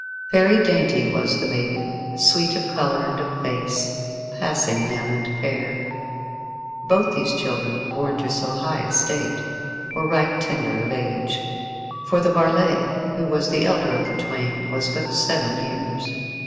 Very dainty was the maiden, sweet of colour and of face, passing young and fair. Both these children, born to so high estate, were right tender of age, for the varlet, who was the elder of the twain, was but seven years.